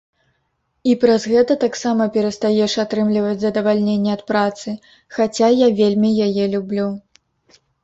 І праз гэта таксама перастаеш атрымліваць задавальненне ад працы, хаця я вельмі яе люблю.